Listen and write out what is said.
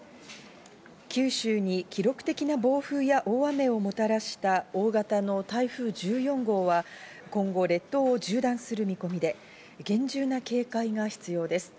九州に記録的な暴風や大雨をもたらした大型の台風１４号は今後、列島を縦断する見込みで、厳重な警戒が必要です。